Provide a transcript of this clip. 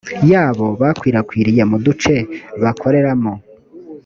yabo bikwirakwiriye mu duce bakoreramo